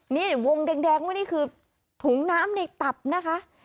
นี่วงแดงว่านี่คือถุงน้ำในตับนะคะ